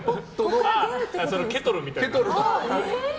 ケトルみたいな。